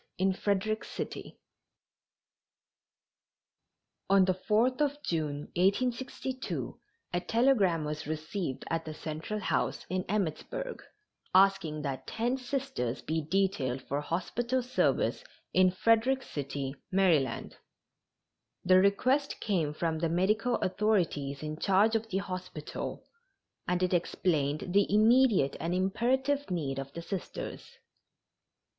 Not enemies "except upon the battlefield." On the 4th of June, 1862, a telegram was received at the Central House, in Emmittsburg, asking that ten Sisters be detailed for hospital service in Frederick City, Md. The request came from the medical authorities in charge of the hospital, and it explained the immediate and imperative need of the Sisters.